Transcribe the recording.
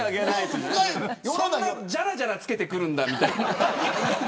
そんな、じゃらじゃら付けてくるんだみたいな。